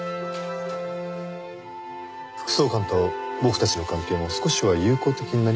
副総監と僕たちの関係も少しは友好的になりますかね？